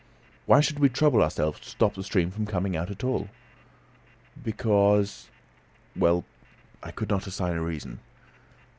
"Why should we trouble ourselves to stop the stream from coming out at all?" "Because " Well, I could not assign a reason.